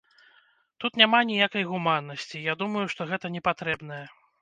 Тут няма ніякай гуманнасці, і я думаю, што гэта не патрэбнае.